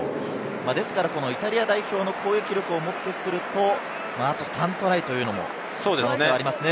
ですから、イタリア代表の攻撃力を持ってすると、あと３トライも可能性がありますね。